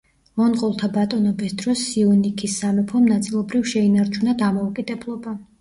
მონღოლთა ბატონობის დროს სიუნიქის სამეფომ ნაწილობრივ შეინარჩუნა დამოუკიდებლობა.